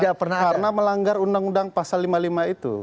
karena melanggar undang undang pasal lima puluh lima itu